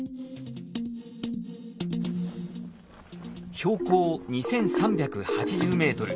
標高２，３８０ｍ。